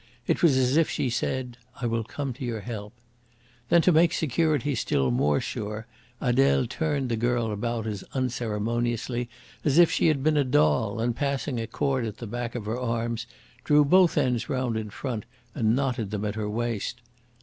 It was as if she said, "I will come to your help." Then, to make security still more sure, Adele turned the girl about as unceremoniously as if she had been a doll, and, passing a cord at the back of her arms, drew both ends round in front and knotted them at her waist.